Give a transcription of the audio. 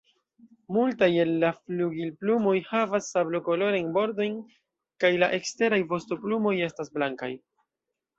Multaj el la flugilplumoj havas sablokolorajn bordojn, kaj la eksteraj vostoplumoj estas blankaj.